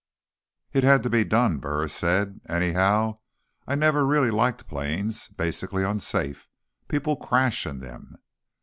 "It had to be done," Burris said. "Anyhow, I've never really liked planes. Basically unsafe. People crash in them."